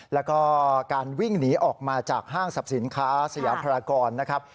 แล้วก็การวิ่งหนีออกมาจากห้างสรรพสินค้าสยาพรากรนะครับ